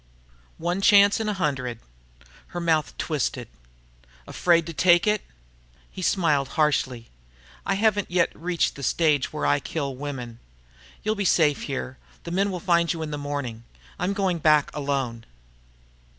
"One chance in a hundred." Her mouth twisted. "Afraid to take it?" He smiled harshly. "I haven't yet reached the stage where I kill women. You'll be safe here the men will find you in the morning. I'm going back, alone."